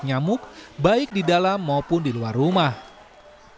dan juga untuk menangani kasus dpd yang menangani kasus dpd